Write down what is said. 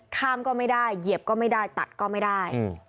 ข้ามก็ไม่ได้เหยียบก็ไม่ได้ตัดก็ไม่ได้